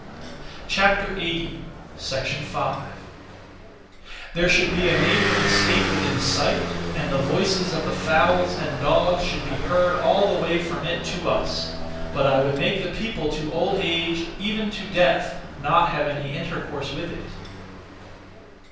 5. There should be a neighbouring state within sight, and the voices of the fowls and dogs should be heard all the way from it to us, but I would make the people to old age, even to death, not have any intercourse with it.